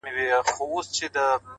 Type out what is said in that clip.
اوس په پوهېږمه زه. اوس انسان شناس يمه.